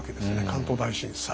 関東大震災。